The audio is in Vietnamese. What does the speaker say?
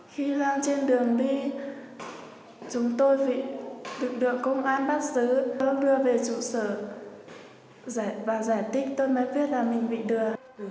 khi ra trên đường đi chúng tôi bị đựng được công an bắt giữ tôi đưa về trụ sở và giải tích tôi mới biết là mình bị đưa